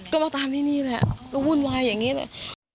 ก็มาตามที่นี่แหละก็วุ่นวายอย่างนี้แหละ